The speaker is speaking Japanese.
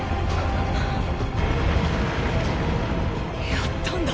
やったんだ！！